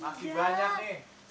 masih banyak nih